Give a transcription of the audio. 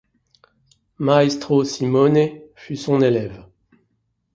Maestro Simone fut son élève.